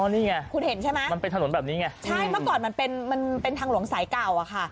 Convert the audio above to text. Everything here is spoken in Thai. นี่ไงคุณเห็นใช่ไหมมันเป็นถนนแบบนี้ไงใช่เมื่อก่อนมันเป็นมันเป็นทางหลวงสายเก่าอะค่ะ